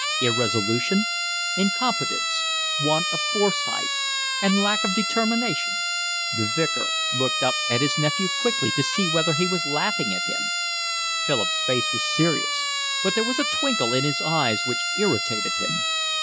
"Irresolution, incompetence, want of foresight, and lack of determination." The Vicar looked up at his nephew quickly to see whether he was laughing at him. Philip's face was serious, but there was a twinkle in his eyes which irritated him.